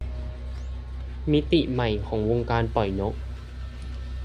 มิติใหม่ของวงการปล่อยนก !